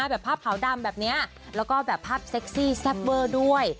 แบบภาพขาวดำแบบนี้แล้วก็แบบภาพเซ็กซี่แซ่บเวอร์ด้วย